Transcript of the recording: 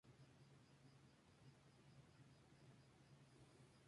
Los pasajeros, furiosos, dejan a los Simpson en la Antártida y regresen a casa.